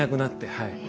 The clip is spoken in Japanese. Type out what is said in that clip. はい。